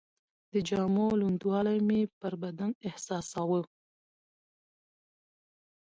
د جامو لوندوالی مې پر بدن احساساوه.